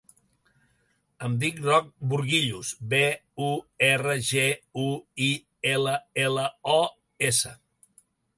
Em dic Roc Burguillos: be, u, erra, ge, u, i, ela, ela, o, essa.